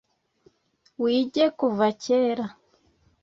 wige kuva kera,